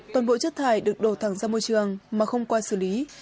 toàn bộ chất thải được đổ thẳng ra môi trường mà không qua xử lý